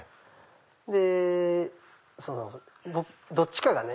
でどっちかがね。